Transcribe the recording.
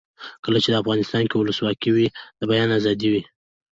کله چې افغانستان کې ولسواکي وي د بیان آزادي وي.